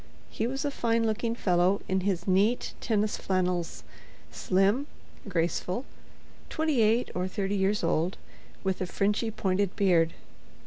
He was a fine looking fellow in his neat tennis flannels, slim, graceful, twenty eight or thirty years old, with a Frenchy pointed beard.